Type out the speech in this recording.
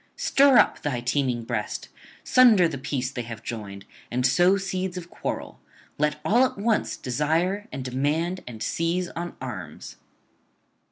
Stir up thy teeming breast, sunder the peace they have joined, and sow seeds of quarrel; let all at once desire and demand and seize on arms.'